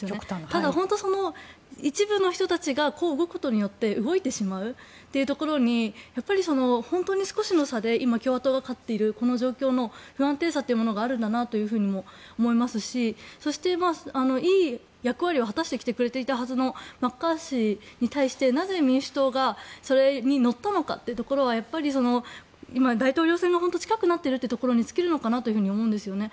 ただ、本当にその一部の人たちが動くことによって動いてしまうというところに本当に少しの差で今、共和党が勝っているこの状況の不安定さというものがあるんだなとも思いますしそして、いい役割を果たしてきてくれていたはずのマッカーシーに対してなぜ、民主党がそれに乗ったのかというところは大統領選が近くなっているというところに尽きるのかなと思うんですね。